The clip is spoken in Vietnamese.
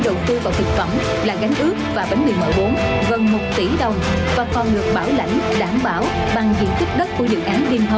đầu tư được khoảng ba tháng thì bắt đầu dịch bệnh